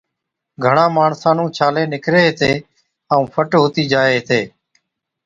گھڻان ماڻسان نُون ڇالي نڪري هِتي ائُون فٽ هُتِي جائي هِتي۔